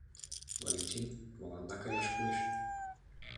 Валентин, мыланна каяш кӱлеш.